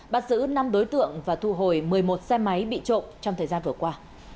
bắt giữ năm đối tượng và thu hồi một mươi một xe máy bị trộm trong thời gian vừa qua